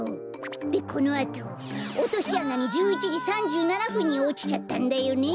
でこのあとおとしあなに１１じ３７ふんにおちちゃったんだよね。